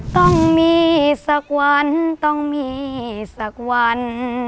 ต้องมีสักวันต้องมีสักวัน